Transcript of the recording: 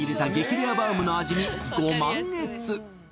レアバウムの味にご満悦